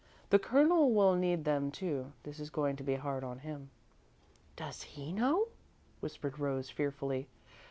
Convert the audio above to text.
The Colonel will need them, too this is going to be hard on him." "Does he know?" whispered Rose, fearfully.